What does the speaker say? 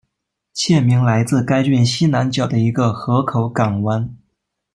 县名来自该郡西南角的一个河口港湾。